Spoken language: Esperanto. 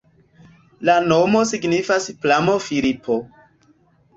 La nomo signifas pramo-Filipo.